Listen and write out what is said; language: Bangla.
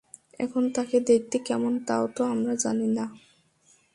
এখন তাকে দেখতে কেমন তাও তো আমরা জানি না।